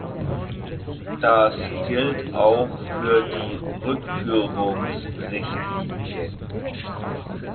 Das gilt auch für die Rückführungsrichtlinie.